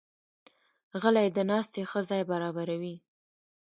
غلۍ د ناستې ښه ځای برابروي.